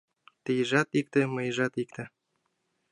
Тыйжат икте, мыйжат икте